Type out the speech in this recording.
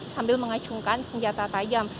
sambil mengacungkan senjata tajam